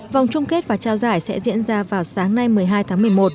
vòng chung kết và trao giải sẽ diễn ra vào sáng nay một mươi hai tháng một mươi một